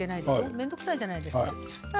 面倒くさいじゃないですか。